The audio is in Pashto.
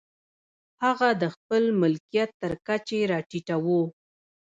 هغه د خپل ملکیت تر کچې را ټیټوو.